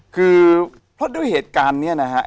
คือเพราะด้วยเหตุการณ์เนี่ยนะฮะ